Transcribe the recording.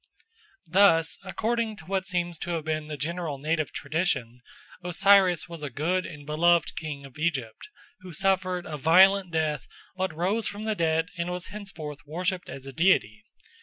Thus according to what seems to have been the general native tradition Osiris was a good and beloved king of Egypt, who suffered a violent death but rose from the dead and was henceforth worshipped as a deity.